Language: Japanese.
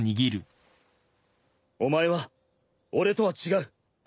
お前は俺とは違う。